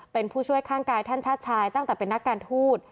เป็นผู้ช่วยข้างกายท่านชาติชายตั้งแต่เป็นนักการทูต